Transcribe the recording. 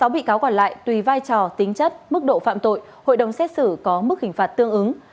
sáu bị cáo còn lại tùy vai trò tính chất mức độ phạm tội hội đồng xét xử có mức hình phạt tương ứng